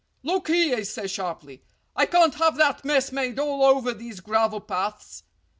"Look here," he said sharply, "I can't have that mess made all over these gravel paths.